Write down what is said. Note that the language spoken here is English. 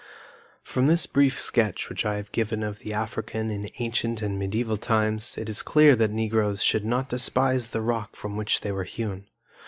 From this brief sketch which I have given of the African in ancient and medieval times it is clear that Negroes should not despise the rock from which they were hewn.